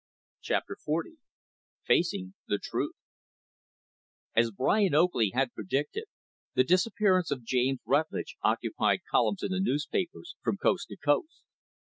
Chapter XL Facing the Truth As Brian Oakley had predicted, the disappearance of James Rutlidge occupied columns in the newspapers, from coast to coast.